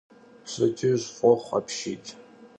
Pşedcıj f'oxhu apşiy!